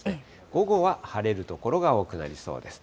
午後は晴れる所が多くなりそうです。